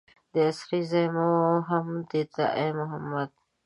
د اسرې ځای مو هم ته یې ای محمده.